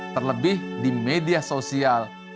terlebih di media sosial